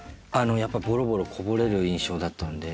やっぱボロボロこぼれる印象だったんで。